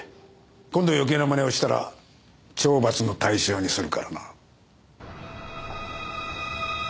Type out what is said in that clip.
今度余計なまねをしたら懲罰の対象にするからな。